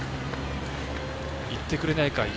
行ってくれないか？